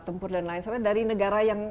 tempur dan lain lain soalnya dari negara yang